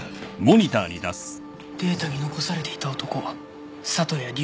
データに残されていた男里谷隆一。